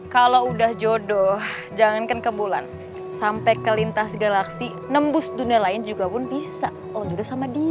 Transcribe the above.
kalau udah jodoh jangankan ke bulan sampai ke lintas galaksi nembus dunia lain juga pun bisa oh jodoh sama dia